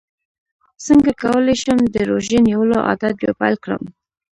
څنګه کولی شم د روژې نیولو عادت بیا پیل کړم